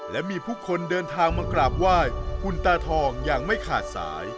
และมีผู้คนเดินทางมากราบไหว้คุณตาทองอย่างไม่ขาดสาย